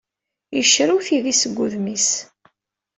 Yecrew tidi seg udem-is.